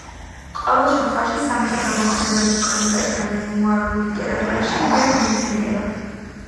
ყოველ შემთხვევაში სამხედრო მოქმედებების ქრონიკაში და მემუარულ ლიტერატურაში იგი არ მოიხსენიება.